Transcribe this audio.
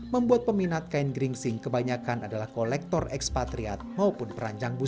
membuat peminat kain geringsing kebanyakan adalah kolektor ekspatriat maupun perancang busana